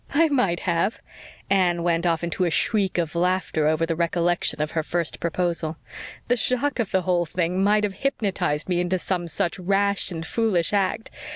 "I might have." Anne went off into a shriek of laughter over the recollection of her first proposal. "The shock of the whole thing might have hypnotized me into some such rash and foolish act.